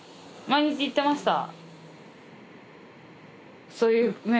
毎日行ってました。